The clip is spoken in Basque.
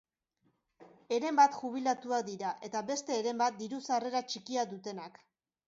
Heren bat jubilatuak dira eta beste heren bat diru-sarrera txikia dutenak.